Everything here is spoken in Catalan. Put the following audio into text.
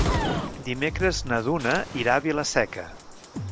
Dimecres na Duna irà a Vila-seca.